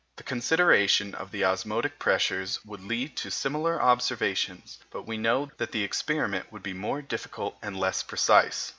The consideration of the osmotic pressures would lead to similar observations, but we know that the experiment would be more difficult and less precise.